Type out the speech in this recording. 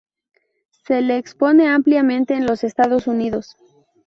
Se la expone ampliamente en los estados Unidos.